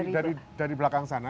awalnya dari belakang sana